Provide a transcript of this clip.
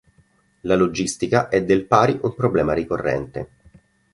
La logistica è del pari un problema ricorrente.